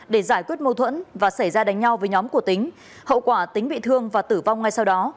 để giải quyết mâu thuẫn và xảy ra đánh nhau với nhóm của tính hậu quả tính bị thương và tử vong ngay sau đó